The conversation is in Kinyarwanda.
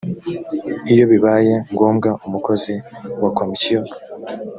iyo bibaye ngombwa umukozi wa komisiyo